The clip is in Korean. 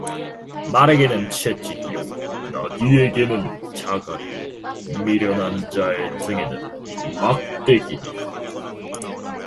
말에게는 채찍이요 나귀에게는 자갈이요 미련한 자의 등에는 막대기니라